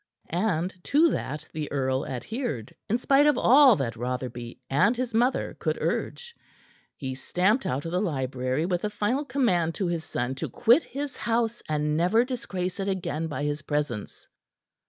And to that the earl adhered in spite of all that Rotherby and his mother could urge. He stamped out of the library with a final command to his son to quit his house and never disgrace it again by his presence.